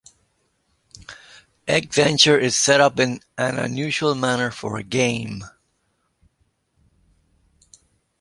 Egg Venture is set up in an unusual manner for a game.